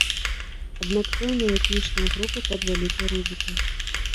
Аднак пэўныя этнічныя групы пад вялікай рызыкай.